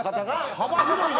幅広いな！